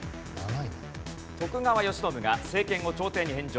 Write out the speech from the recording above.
徳川慶喜が政権を朝廷に返上。